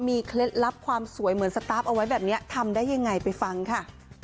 เคล็ดลับความสวยเหมือนสตาร์ฟเอาไว้แบบนี้ทำได้ยังไงไปฟังค่ะ